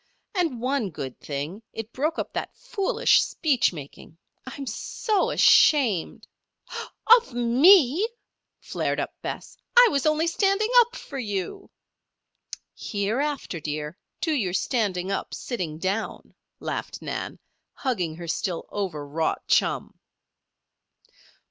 "And one good thing it broke up that foolish speech making. I'm so ashamed " "Of me!" flared up Bess. "I was only standing up for you." "Hereafter, dear, do your standing up, sitting down," laughed Nan, hugging her still overwrought chum.